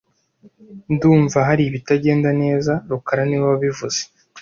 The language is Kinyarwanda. Ndumva hari ibitagenda neza rukara niwe wabivuze